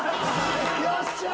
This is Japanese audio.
よっしゃー！